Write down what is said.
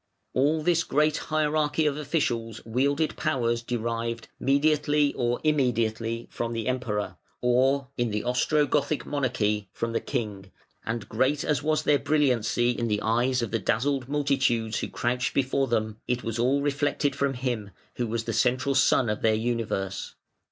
All this great hierarchy of officials wielded powers derived, mediately or immediately, from the Emperor (or in the Ostrogothic monarchy from the King), and great as was their brilliancy in the eyes of the dazzled multitudes who crouched before them, it was all reflected from him, who was the central sun of their universe.